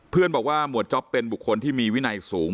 บอกว่าหมวดจ๊อปเป็นบุคคลที่มีวินัยสูง